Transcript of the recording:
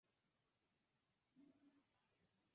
Post tio momento videblis la deklivo.